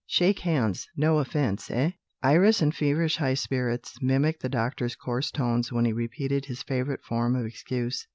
Shake hands. No offence eh?" Iris, in feverish high spirits, mimicked the doctor's coarse tones when he repeated his favourite form of excuse.